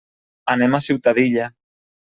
Anem a Ciutadilla.